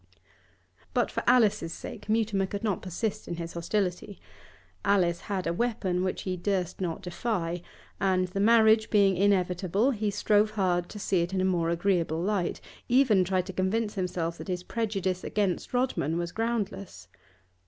But for Alice's sake Mutimer could not persist in his hostility. Alice had a weapon which he durst not defy, and, the marriage being inevitable, he strove hard to see it in a more agreeable light, even tried to convince himself that his prejudice against Rodman was groundless.